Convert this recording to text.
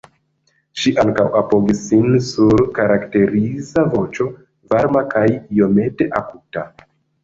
Ŝi ankaŭ apogis sin sur karakteriza voĉo, varma kaj iomete akuta.